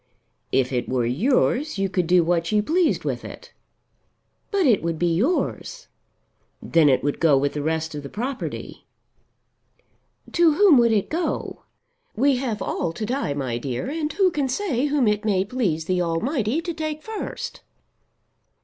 "If it were yours you could do what you pleased with it." "But it would be yours." "Then it would go with the rest of the property." "To whom would it go? We have all to die, my dear, and who can say whom it may please the Almighty to take first?"